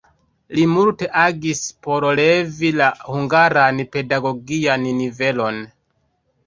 Li multe agis por levi la hungaran pedagogian nivelon.